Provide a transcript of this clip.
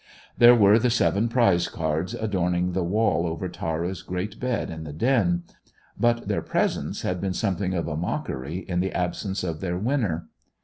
There were the seven prize cards adorning the wall over Tara's great bed in the den; but their presence had been something of a mockery in the absence of their winner.